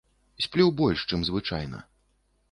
Сплю больш, чым звычайна.